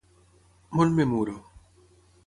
Mont Memuro